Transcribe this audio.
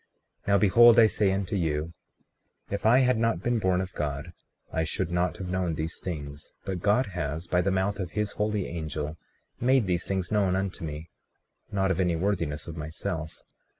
36:5 Now, behold, I say unto you, if I had not been born of God I should not have known these things; but God has, by the mouth of his holy angel, made these things known unto me, not of any worthiness of myself.